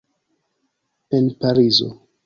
En Parizo.